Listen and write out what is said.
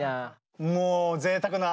もうぜいたくな＃